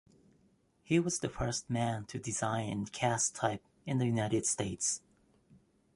He was the first man to design and cast type in the United States.